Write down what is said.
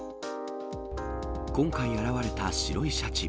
今回現れた白いシャチ。